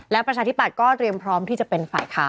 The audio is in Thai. และประชาธิบัตย์ก็เตรียมพร้อมที่จะเป็นฝ่ายค้าน